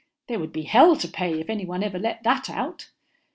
There would be hell to pay if anyone ever let that out."